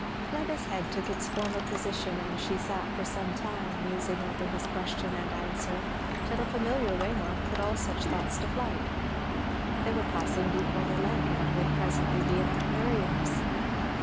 Fleda's head took its former position, and she sat for some time musing over his question and answer, till a familiar waymark put all such thoughts to flight. They were passing Deepwater Lake, and would presently be at aunt Miriam's.